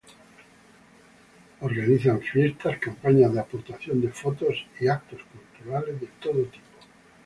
Organizan fiestas, campañas de aportación de fotos y eventos culturales de todo tipo.